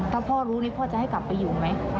ถ้าพ่อรู้นี่พ่อจะให้กลับไปอยู่ไหม